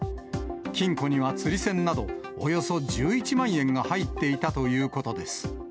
金庫には釣り銭など、およそ１１万円が入っていたということです。